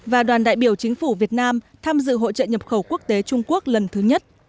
và đoàn đại biểu chính phủ việt nam tham dự hội trợ nhập khẩu quốc tế trung quốc lần thứ nhất